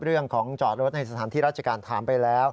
เรื่องของจอดรถในสถานที่ราชการถามไปแล้ว